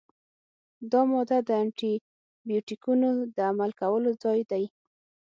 دا ماده د انټي بیوټیکونو د عمل کولو ځای دی.